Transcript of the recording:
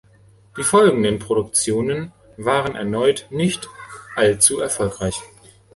Die folgenden Produktionen waren erneut nicht allzu erfolgreich.